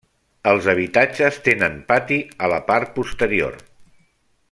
Els habitatges tenen pati a la part posterior.